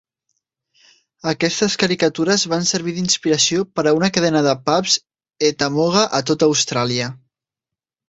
Aquestes caricatures van servir d'inspiració per a una cadena de pubs Ettamogah a tota Austràlia.